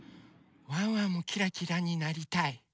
ワンワンもキラキラになりたい。